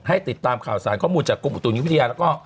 ติดตามข่าวสารข้อมูลจากกรมอุตุนิยมวิทยาแล้วก็